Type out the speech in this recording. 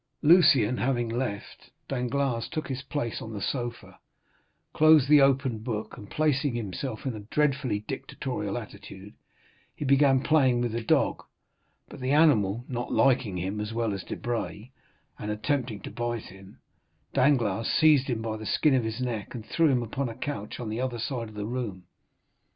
30241m Lucien having left, Danglars took his place on the sofa, closed the open book, and placing himself in a dreadfully dictatorial attitude, he began playing with the dog; but the animal, not liking him as well as Debray, and attempting to bite him, Danglars seized him by the skin of his neck and threw him upon a couch on the other side of the room.